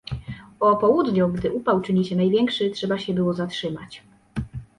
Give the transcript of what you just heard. O południu, gdy upał czyni się największy, trzeba się było zatrzymać.